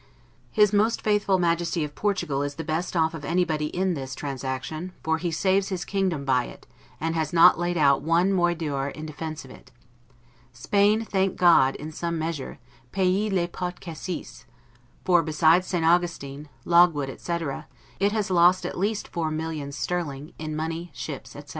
His most faithful Majesty of Portugal is the best off of anybody in this, transaction, for he saves his kingdom by it, and has not laid out one moidore in defense of it. Spain, thank God, in some measure, 'paye les pots cassis'; for, besides St. Augustin, logwood, etc., it has lost at least four millions sterling, in money, ships, etc.